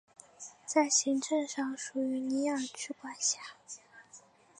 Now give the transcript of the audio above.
在行政上属于尼永区管辖。